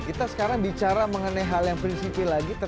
oke kita sekarang bicara mengenai hal yang prinsipi lagi